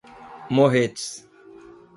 Morretes